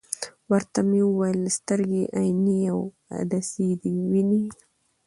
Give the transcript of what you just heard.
ورته ومي ویل: د سترګي عینیې او عدسیې دي وینې ؟